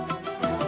nih aku tidur